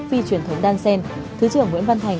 phi truyền thống đan sen thứ trưởng nguyễn văn thành